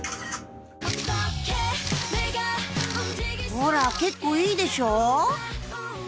ほら結構いいでしょ！